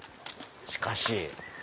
しかし。